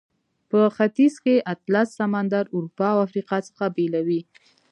په ختیځ کې اطلس سمندر اروپا او افریقا څخه بیلوي.